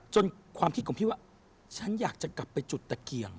ความคิดของพี่ว่าฉันอยากจะกลับไปจุดตะเกียง